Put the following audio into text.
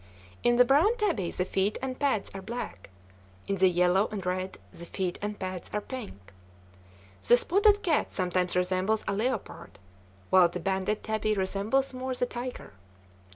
In the brown tabby the feet and pads are black; in the yellow and red, the feet and pads are pink. The spotted cat sometimes resembles a leopard, while the banded tabby resembles more the tiger.